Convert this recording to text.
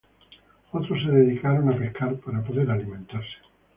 Otros se dedicaron a pescar para poder alimentarse.